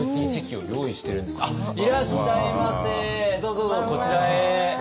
どうぞどうぞこちらへ。